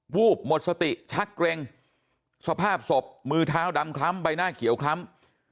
วูบหมดสติชักเกร็งสภาพศพมือเท้าดำคล้ำใบหน้าเขียวคล้ำ